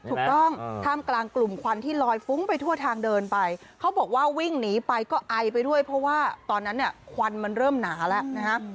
ถูกต้องท่ามกลางกลุ่มควันที่ลอยฟุ้งไปทั่วทางเดินไปเขาบอกว่าวิ่งหนีไปก็ไอไปด้วยเพราะว่าตอนนั้นเนี่ยควันมันเริ่มหนาแล้วนะฮะ